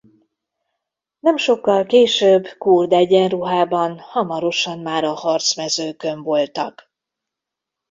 Nem sokkal később kurd egyenruhában hamarosan már a harcmezőkön voltak.